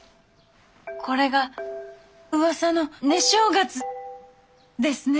これがうわさの寝正月ですね。